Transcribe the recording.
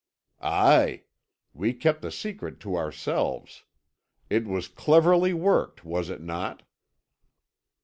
"Aye. We kept the secret to ourselves. It was cleverly worked, was it not?"